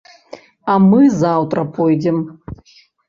А мы заўтра пойдзем.